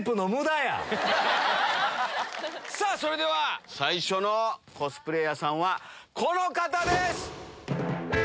さぁそれでは最初のコスプレーヤーさんはこの方です！